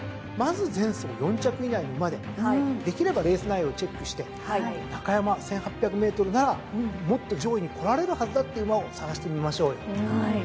まず前走４着以内の馬でできればレース内容をチェックして中山１，８００ｍならもっと上位にこられるはずだって馬を探してみましょうよ。